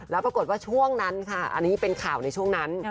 แล้วปรากฏว่าช่วงนั้นค่ะอันนี้เป็นข่าวในช่วงนั้น